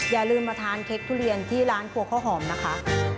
อย่าลืมมาทานเค้กทุเรียนที่ร้านครัวข้าวหอมนะคะ